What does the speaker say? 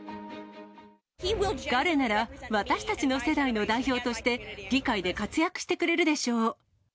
彼なら、私たちの世代の代表として、議会で活躍してくれるでしょう。